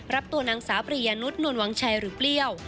รับตัวนางสาวปริยานุษย์นวลวังชัยหรือเปรี้ยว